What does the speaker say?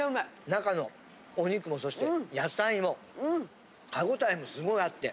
中のお肉もそして野菜も歯ごたえもすごいあって。